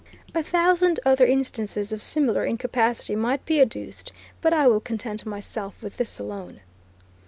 A thousand other instances of similar incapacity might be adduced, but I will content myself with this alone.